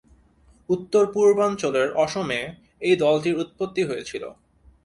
উত্তর-পূৰ্বাঞ্চলের অসমে এই দলটির উৎপত্তি হয়েছিল।